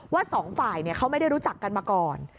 สองฝ่ายเขาไม่ได้รู้จักกันมาก่อน